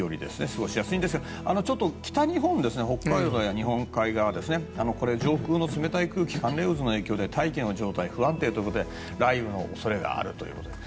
過ごしやすいんですが北日本北海道とか日本海側上空の冷たい空気寒冷渦の影響で大気の状態が不安定ということで雷雨の恐れがあるということで。